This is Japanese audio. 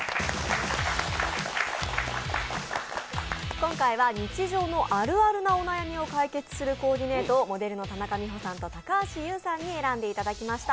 今回は日常のあるあるなお悩みを解決するコーディネートをモデルの田中美保さんと高橋ユウさんに選んでいただきました。